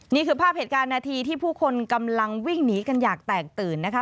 นี่คือภาพเหตุการณ์นาทีที่ผู้คนกำลังวิ่งหนีกันอยากแตกตื่นนะคะ